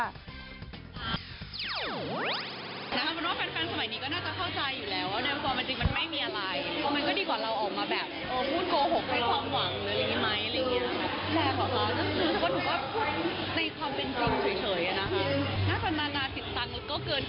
ผมว่าแฟนสมัยนี้ก็น่าจะเข้าใจอยู่แล้ว